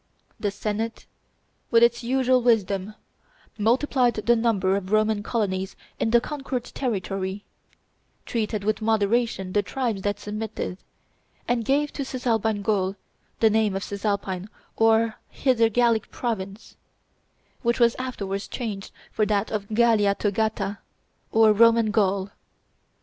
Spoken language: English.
The Senate, with its usual wisdom, multiplied the number of Roman colonies in the conquered territory, treated with moderation the tribes that submitted, and gave to Cisalpine Gaul the name of the Cisalpine or Hither Gallic Province, which was afterwards changed for that of Gallia Togata or Roman Gaul.